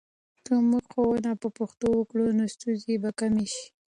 که موږ ښوونه په پښتو وکړو، نو ستونزې به کمې سي.